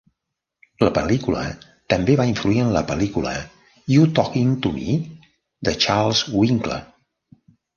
La pel·lícula també va influir en la pel·lícula "You Talkin 'to Me?" de Charles Winkler.